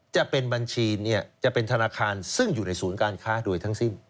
จะเป็นบัญชีเนี่ยจะเป็นธนาคารซึ่งอยู่ในศูนย์การค้าโดยทั้งสิ้น